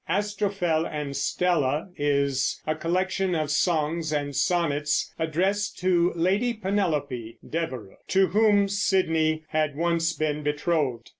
Astrophel and Stella is a collection of songs and sonnets addressed to Lady Penelope Devereux, to whom Sidney had once been betrothed.